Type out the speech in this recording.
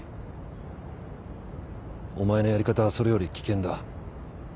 お前のやり方はそれより危険だ。